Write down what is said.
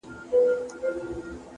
یو موټی یو، او یو موټی به پاتې کېږو